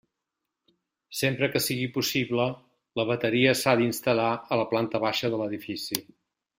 Sempre que sigui possible, la bateria s'ha d'instal·lar a la planta baixa de l'edifici.